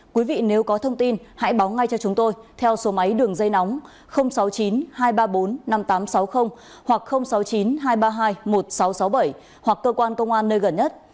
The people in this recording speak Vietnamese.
quý vị nếu có thông tin hãy báo ngay cho chúng tôi theo số máy đường dây nóng sáu mươi chín hai trăm ba mươi bốn năm nghìn tám trăm sáu mươi hoặc sáu mươi chín hai trăm ba mươi hai một nghìn sáu trăm sáu mươi bảy hoặc cơ quan công an nơi gần nhất